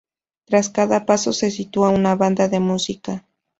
Tras cada paso se sitúa una banda de música.